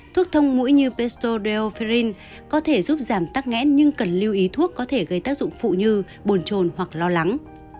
thuốc thông mũi như pestoideoferin có thể giúp giảm tắc nghẽn nhưng cần lưu ý thuốc có thể gây tác dụng phụ như buồn trồn hoặc lo lắng